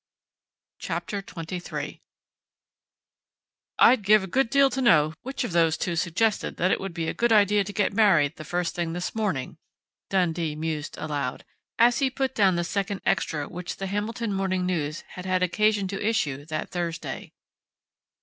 CHAPTER TWENTY THREE "I'd give a good deal to know which of those two suggested that it would be a good idea to get married the first thing this morning," Dundee mused aloud, as he put down the second extra which The Hamilton Morning News had had occasion to issue that Thursday.